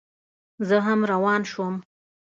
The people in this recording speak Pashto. زه هم روان شوم.